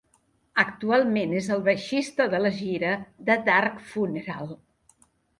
Actualment és el baixista de la gira de Dark Funeral.